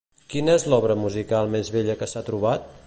Quina és l'obra musical més vella que s'ha trobat?